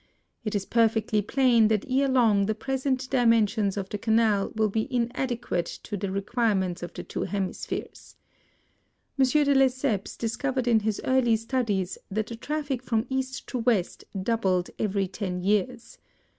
It is perfectly plain that ere long the present dimensions of the Canal will be inadequate to the requirements of the two hemispheres. M. de Lesseps discovered in Xli PREFACE. his early studies that the traffic from East to West doubled every ten years.